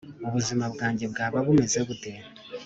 ubuzima bwanjye bwaba bumeze bute,